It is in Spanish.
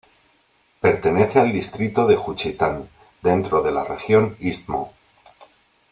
Pertenece al distrito de Juchitán, dentro de la región istmo.